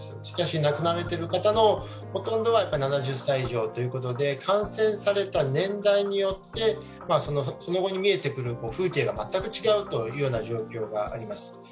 しかし、亡くなられている方のほとんどは７０歳以上ということで感染された年代によってその後に見えてくる風景が全く違うという状況があります。